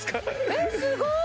えっすごい！